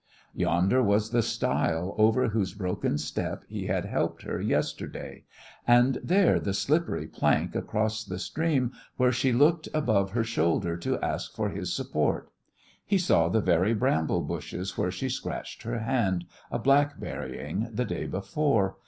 Yonder was the stile over whose broken step he had helped her yesterday, and there the slippery plank across the stream where she looked above her shoulder to ask for his support; he saw the very bramble bushes where she scratched her hand, a blackberrying, the day before